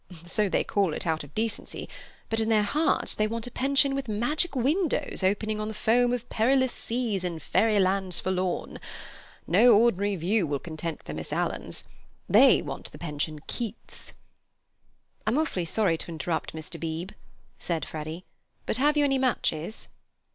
So they call it out of decency, but in their hearts they want a pension with magic windows opening on the foam of perilous seas in fairyland forlorn! No ordinary view will content the Miss Alans. They want the Pension Keats." "I'm awfully sorry to interrupt, Mr. Beebe," said Freddy, "but have you any matches?"